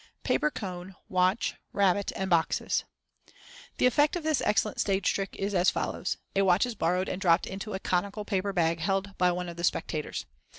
Paper Cone, Watch, Rabbit, and Boxes.—The effect of this excellent stage trick is as follows: A watch is borrowed and dropped into a conical paper bag held by one of the spectators.